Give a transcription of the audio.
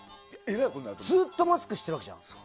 ずっとマスクしてるわけじゃん。